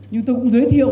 nhưng tôi cũng giới thiệu